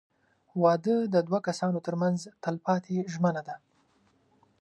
• واده د دوه کسانو تر منځ تلپاتې ژمنه ده.